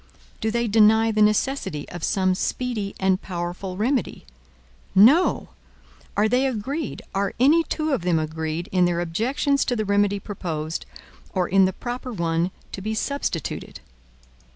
Do they deny the necessity of some speedy and powerful remedy? No. Are they agreed, are any two of them agreed, in their objections to the remedy proposed, or in the proper one to be substituted?